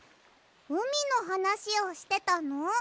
うみのはなしをしてたの？